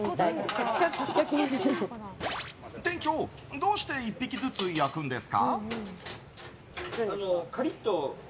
店長、どうして１匹ずつ焼くんですか？